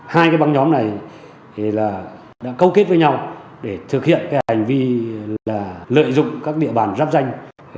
hai băng nhóm này đã câu kết với nhau để thực hiện hành vi lợi dụng các địa bàn rắp danh